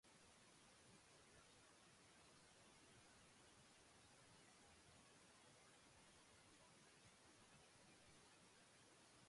Baina agian kontu hauek ez dituzu kontrolatzen.